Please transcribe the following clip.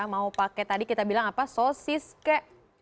mau pakai tadi kita bilang apa sosis ke bakso buatan